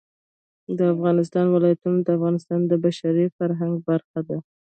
د افغانستان ولايتونه د افغانستان د بشري فرهنګ برخه ده.